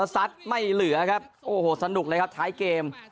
ซัดไม่เหลือครับโอ้โหสนุกเลยครับท้ายเกม